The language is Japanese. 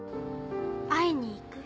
会いに行く？